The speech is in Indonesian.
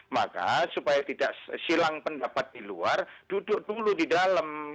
maka supaya tidak silang pendapat di luar duduk dulu di dalam